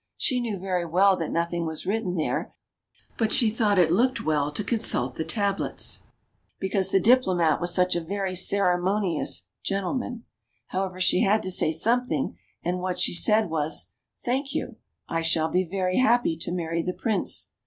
She knew very well that nothing was written there, but she thought it looked well to consult the tablets, because the Diplomat was such a very ceremonious gentleman. However, she had to say something, and what she said was :" Thank you ; I shall be very happy to marry the Prince."